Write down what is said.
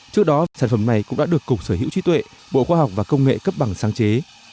trước đó sản phẩm này cũng đã được cục sở hữu trí tuệ bộ khoa học và công nghệ cấp bằng sáng chế